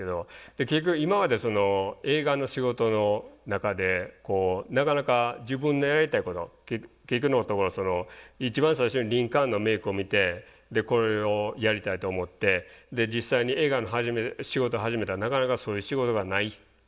結局今まで映画の仕事の中でなかなか自分のやりたいこと結局のところ一番最初にリンカーンのメイクを見てこれをやりたいと思ってで実際に映画の仕事始めたらなかなかそういう仕事がない。